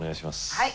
はい。